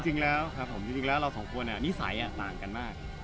จริงแล้วครับผมจริงแล้วเราสองคนนิสัยต่างกันมาก